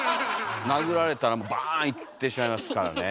殴られたらもうバーンいってしまいますからね。